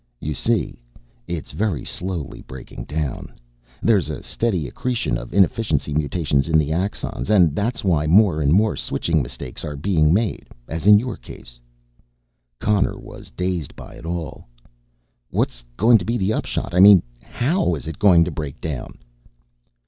"You see, it's very slowly breaking down. There's a steady accretion of inefficiency mutations in the axons and that's why more and more switching mistakes are being made as in your case." Connor was dazed by it all. "What's going to be the upshot, I mean, how is it going to break down?"